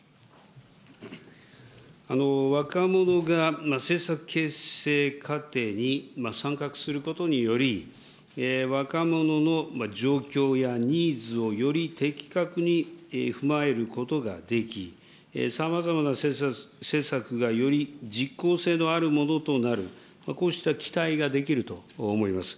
若者が政策形成過程に参画することにより、若者の状況やニーズをより的確に踏まえることができ、さまざまな施策がより実効性のあるものとなる、こうした期待ができると思います。